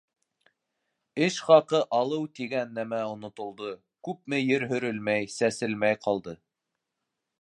Эш хаҡы алыу тигән нәмә онотолдо, күпме ер һөрөлмәй, сәселмәй ҡалды.